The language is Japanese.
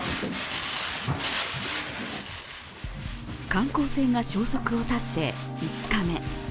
観光船が消息を絶って５日目。